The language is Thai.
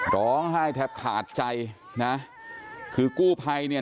ร้องไห้แทบขาดใจนะคือกู้ภัยเนี่ย